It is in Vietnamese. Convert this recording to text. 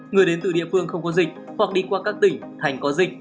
người đến từ địa phương không có dịch hoặc đi qua các tỉnh thành có dịch